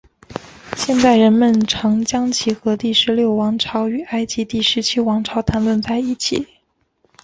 现今人们常将其和第十六王朝与埃及第十七王朝谈论在一起。